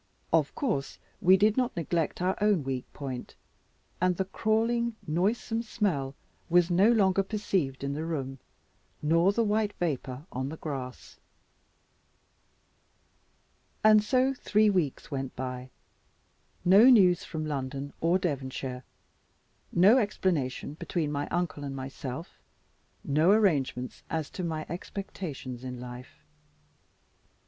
Of course we did not neglect our own weak point; and the crawling noisome smell was no longer perceived in the room, nor the white vapour on the grass. And so three weeks went by; no news from London or Devonshire, no explanation between my uncle and myself, no arrangements as to my expectations in life.